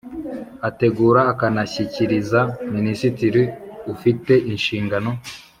ategura akanashyikiriza Minisitiri ufite inshingano